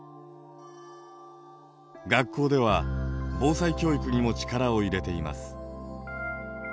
学校では防災教育にも力を入れています。